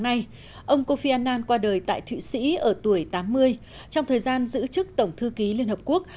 hôm nay ông kofi annan qua đời tại thụy sĩ ở tuổi tám mươi trong thời gian giữ chức tổng thư ký liên hợp quốc